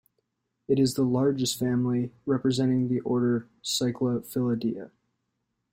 It is the largest family representing the order Cyclophyllidea.